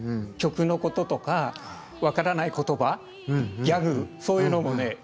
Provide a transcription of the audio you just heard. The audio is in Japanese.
曲のこととか分からない言葉ギャグそういうのもね